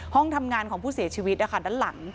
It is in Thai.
ห้องทำงานของผู้เสียชีวิตนะคะด้านหลัง